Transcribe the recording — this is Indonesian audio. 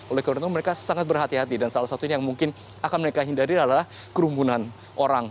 oleh karena itu mereka sangat berhati hati dan salah satunya yang mungkin akan mereka hindari adalah kerumunan orang